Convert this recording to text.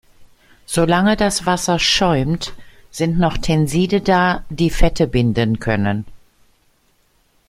Solange das Wasser schäumt, sind noch Tenside da, die Fette binden können.